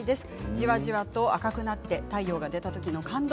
じわじわと赤くなって太陽が出たときの感動